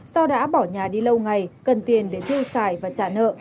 sau đã bỏ nhà đi lâu ngày cần tiền để thu xài và trả nợ